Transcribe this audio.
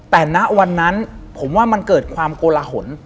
แต่ณวันนั้นผมว่ามันเกิดความโกลหน